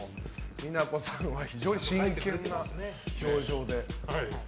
美奈子さんは非常に真剣な表情で。